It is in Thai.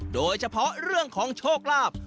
โดยเฉพาะเรื่องของโชคลาภ